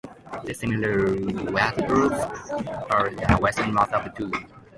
The Smaller Swartberg are the westernmost of the two.